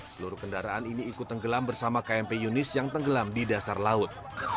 seluruh kendaraan ini ikut tenggelam bersama kmp yunis yang tenggelam di dasar laut